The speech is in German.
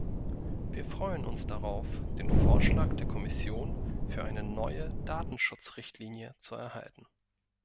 Wir freuen uns darauf, den Vorschlag der Kommission für eine neue Datenschutzrichtlinie zu erhalten.